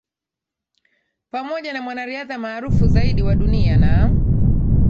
Pamoja na mwanariadha maarufu zaidi wa dunia na